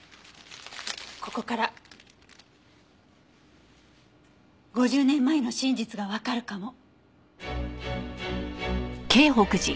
ここから５０年前の真実がわかるかも。